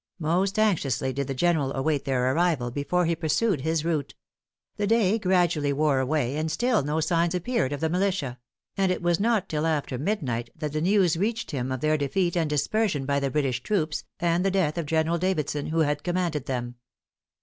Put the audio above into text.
Most anxiously did the General await their arrival, before he pursued his route. The day gradually wore away, and still no signs appeared of the militia; and it was not till after midnight that the news reached him of their defeat and dispersion by the British troops, and the death of General Davidson, who had commanded them.